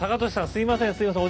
すいませんすいません。